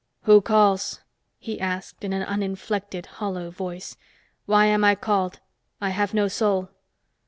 "Who calls?" he asked in an uninflected, hollow voice. "Why am I called? I have no soul."